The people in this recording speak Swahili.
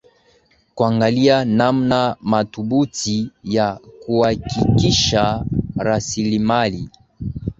kuangalia namna mathubuti ya kuhakikisha rasilimali